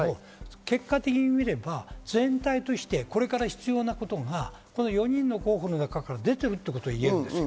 結果的に見れば、全体としてこれから必要なことが４人の候補の中に出ているといえるんです。